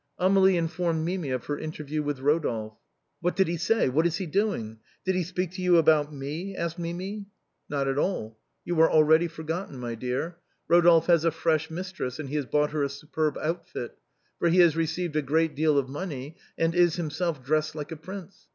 Amélie informed Mimi of her interview with Rodolphe. " What did he say ? What is he doing ? Did he speak to you about me ?" asked Mimi. " Not at all ; you are already forgotten, my dear. Ro dolphe has a fresh mistress, and has bought her a superb outfit, for he has received a great deal of money, and is himself dressed like a prince.